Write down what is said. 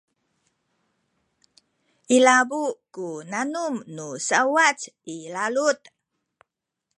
ilabu ku nanum nu sauwac i lalud